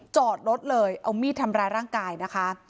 จอดรถเลยเอามีดทำร้ายร่างกายนะคะ